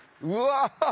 うわ！